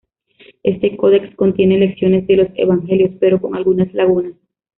Este codex contienen lecciones de los evangelios, pero con algunas lagunas.